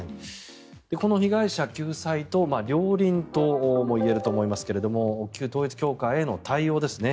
この被害者救済と両輪ともいえると思いますが旧統一教会への対応ですね。